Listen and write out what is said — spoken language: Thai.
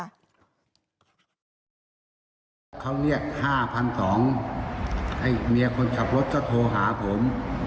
เขาเรียก๕๒๐๐บาทให้เมียคนขับรถจะโทรหาผม